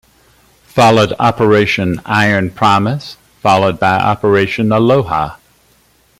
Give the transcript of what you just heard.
Followed Operation Iron Promise, followed by Operation Aloha.